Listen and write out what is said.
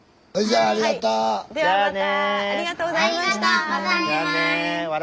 ありがとうございます。